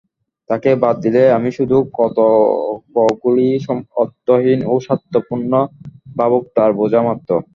তাঁকে বাদ দিলে আমি শুধু কতকগুলি অর্থহীন ও স্বার্থপূর্ণ ভাবুকতার বোঝা মাত্র।